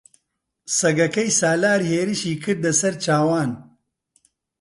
سەگەکەی سالار هێرشی کردە سەر چاوان.